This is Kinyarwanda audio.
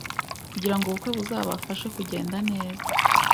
kugirango ubukwe buzabashe kugenda neza.